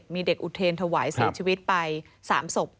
มีเด็กอุเทรนถวายเสียชีวิตไป๓ศพ